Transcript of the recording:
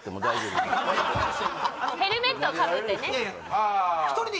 ヘルメットかぶってね